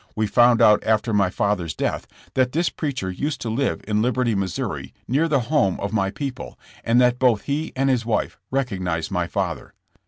We found out after my father's death that this preacher used to live in Liberty, Mo., near the home of my people, and that both he and liis wife recognized my father.